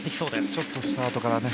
ちょっとスタートからね。